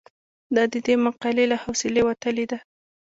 دا د دې مقالې له حوصلې وتلې ده.